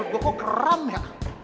kok keram ya